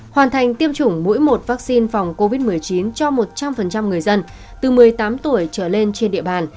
hoàn thành tiêm chủng mỗi một vaccine phòng covid một mươi chín cho một trăm linh người dân từ một mươi tám tuổi trở lên trên địa bàn